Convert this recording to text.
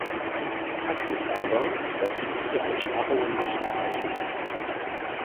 Fakt ist aber, dass wir diese Einsparungen nicht erreichen.